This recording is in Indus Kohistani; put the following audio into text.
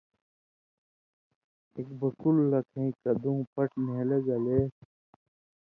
ایک بکُلوۡ لکٙھیں کدُوں پٹ نھیلہ گلے